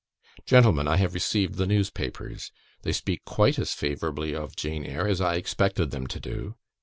"Gentlemen, I have received the newspapers. They speak quite as favourably of "Jane Eyre" as I expected them to do.